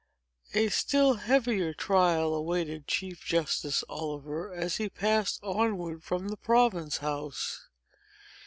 A still heavier trial awaited Chief Justice Oliver, as he passed onward from the Province House.